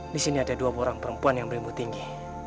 disini ada dua orang perempuan yang berimbu tinggi